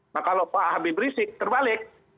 nah kalau pak habib rizik terbalik